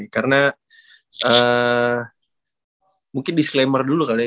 karena mungkin disclaimer dulu kali ya